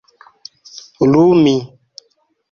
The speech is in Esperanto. lumi